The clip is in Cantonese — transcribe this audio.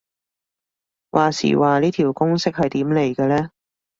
話時話呢條公式係點嚟嘅呢